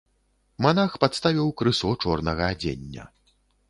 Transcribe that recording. Манах падставіў крысо чорнага адзення.